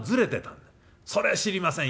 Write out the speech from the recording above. それ知りません。